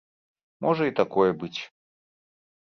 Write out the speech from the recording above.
Можа і такое быць.